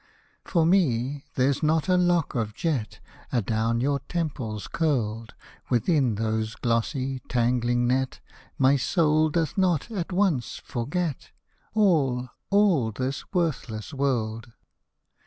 For me, there's not a lock of jet Adown your temples curled, Within whose glossy, tangling net, My soul doth not, at once, forget All, all this worthless world.